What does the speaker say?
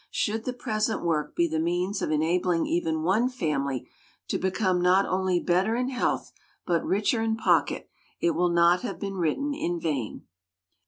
Should the present work be the means of enabling even one family to become not only better in health but richer in pocket, it will not have been written in vain.